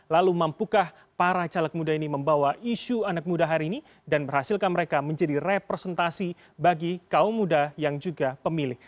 lalu mampukah para caleg muda ini membawa isu anak muda hari ini dan berhasilkan mereka menjadi representasi bagi kaum muda yang juga pemilih